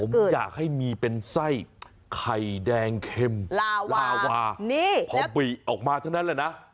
ผมอยากให้มีเป็นไส้ไข่แดงเข็มลาวาพอบิออกมาเท่านั้นแหละนะ